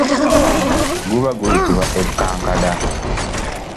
Guba guyitibwa ekkankada.